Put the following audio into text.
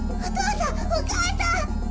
お母さん！